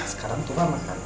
sekarang tufa makan